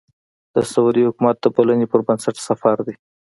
د سعودي حکومت د بلنې پر بنسټ سفر دی.